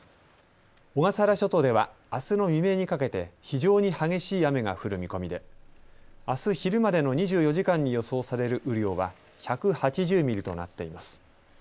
小笠原諸島では、あすの未明にかけて非常に激しい雨が降る見込みであす昼までの２４時間に予想される雨量は１８０ミリとなっています。